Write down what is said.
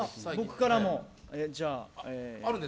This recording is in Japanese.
僕からも、じゃあ。